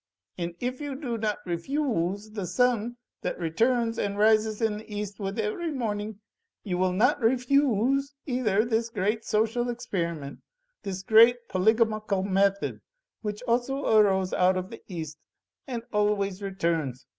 ... And if you do not refu use the sun that returns and rises in the East with every morning, you will not refu use either this great social experiment, this great polygamical method which also arose out of the East, and always returns.